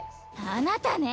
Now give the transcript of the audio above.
あなたね！